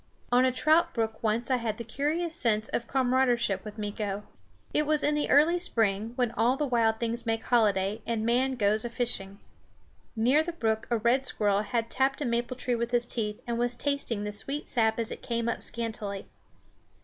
On a trout brook once I had a curious sense of comradeship with Meeko. It was in the early spring, when all the wild things make holiday, and man goes a fishing. Near the brook a red squirrel had tapped a maple tree with his teeth and was tasting the sweet sap as it came up scantily.